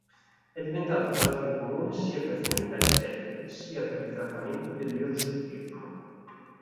È diventata pratica comune sia per finalità estetiche sia per il trattamento dell'irsutismo.